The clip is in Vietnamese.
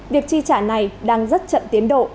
việc chi trả này đang rất chậm tiến độ